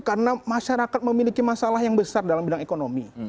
karena masyarakat memiliki masalah yang besar dalam bidang ekonomi